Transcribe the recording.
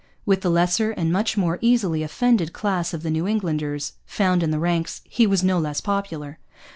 With the lesser and much more easily offended class of New Englanders found in the ranks he was no less popular.